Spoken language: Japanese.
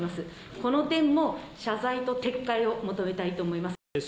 この点も謝罪と撤回を求めたいと思います。